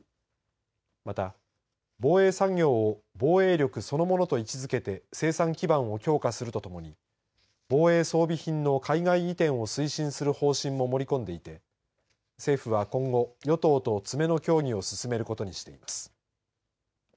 また、防衛産業を防衛力そのものと位置づけて生産基盤を強化するとともに、防衛装備品の海外移転を推進する方針も盛り込んでいて、政府は今後、与党と詰めの協議を進めることにしています。